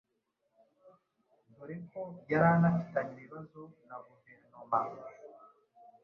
dore ko yari anafitanye ibibazo na guverinoma